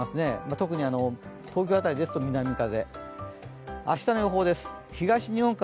特に東京辺りですと南風。